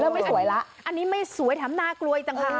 เริ่มไม่สวยแล้วอันนี้ไม่สวยถามหน้ากลวยจังครับ